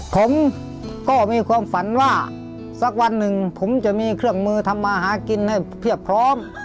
ผมก็มีความฝันว่าสักวันหนึ่งผมจะมีเครื่องมือทำมาหากินให้เพียบพร้อม